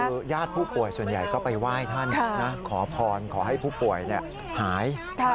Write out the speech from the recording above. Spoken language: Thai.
คือญาติผู้ป่วยส่วนใหญ่ก็ไปไหว้ท่านขอพรขอให้ผู้ป่วยหาย